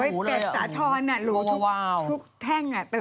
เป็ดจะท้อนอะลูกทุกแท่งอะหว่ามาก